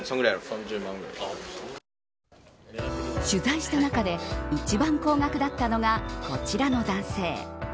取材した中で一番高額だったのがこちらの男性。